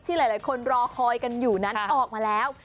หลายคนรอคอยกันอยู่นั้นออกมาแล้ว